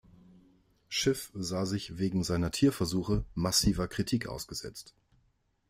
Schiff sah sich wegen seiner Tierversuche massiver Kritik ausgesetzt.